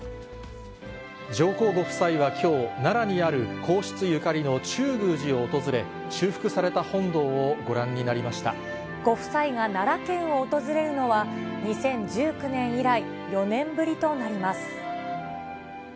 上皇ご夫妻はきょう、奈良にある皇室ゆかりの中宮寺を訪れ、修復された本堂をご覧になご夫妻が奈良県を訪れるのは、２０１９年以来、４年ぶりとなります。